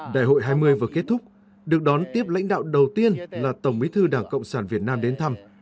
đại hội hai mươi vừa kết thúc được đón tiếp lãnh đạo đầu tiên là tổng bí thư đảng cộng sản việt nam đến thăm